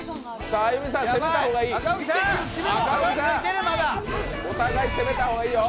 歩さん、攻めた方がいいよ。